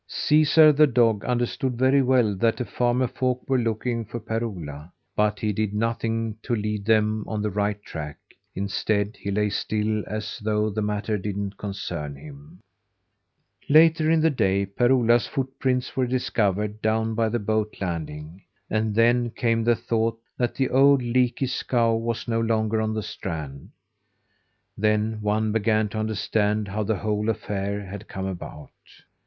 Caesar, the dog, understood very well that the farmer folk were looking for Per Ola, but he did nothing to lead them on the right track; instead, he lay still as though the matter didn't concern him. Later in the day, Per Ola's footprints were discovered down by the boat landing. And then came the thought that the old, leaky scow was no longer on the strand. Then one began to understand how the whole affair had come about.